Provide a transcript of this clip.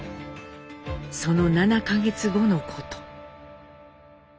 その７か月後のこと。